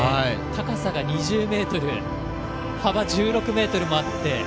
高さが２０ｍ幅１６ｍもあって。